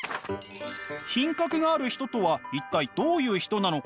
品格がある人とは一体どういう人なのか？